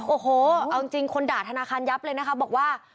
โอ้โหเอาจริงคนด่าธนาคารยับเลยนะคะบอกว่า